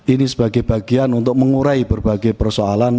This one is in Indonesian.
ini sebagai bagian untuk mengurai berbagai persoalan